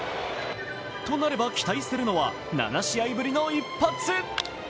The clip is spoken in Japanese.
となれば期待するのは７試合ぶりの一発。